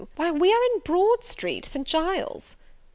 Why we are in Broad Street, St. Giles's!"